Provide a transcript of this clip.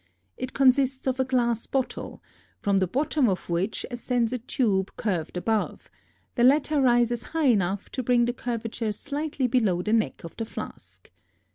It consists of a glass bottle from the bottom of which ascends a tube curved above; the latter rises high enough to bring the curvature slightly below the neck of the flask.